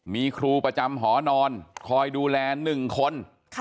มีครูประจำหอนอนคอยดูแล๑คน